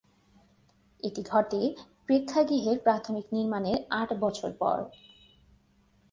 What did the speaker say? এটি ঘটে প্রেক্ষাগৃহের প্রাথমিক নির্মাণের আট বছর পর।